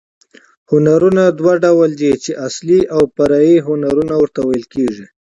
هنرونه دوه ډول دي، چي اصلي او فرعي هنرونه ورته ویل کېږي.